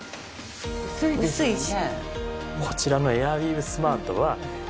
薄いし。